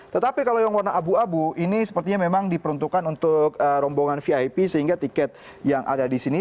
tetapi kalau yang warna abu abu ini sepertinya memang diperuntukkan untuk rombongan vip sehingga tiket yang ada di sini